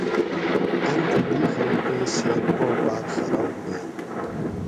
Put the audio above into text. ان تھی دی خلقیں صحت پا باۤر خراب ہوئیں